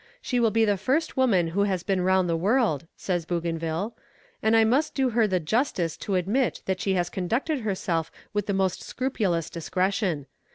] "She will be the first woman who has been round the world," says Bougainville, "and I must do her the justice to admit that she has conducted herself with the most scrupulous discretion.